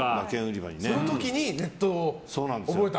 その時にネットを覚えた？